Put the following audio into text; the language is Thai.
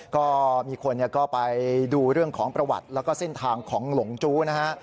ก็มีคนก็ไปดูเรื่องของประวัติแล้วก็เส้นทางของหลงจู้นะฮะ